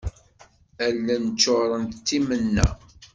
Allen ččurent d timenna.